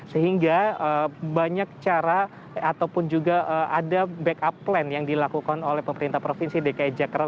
sehingga banyak cara ataupun juga ada backup plan yang dilakukan oleh pemerintah provinsi dki jakarta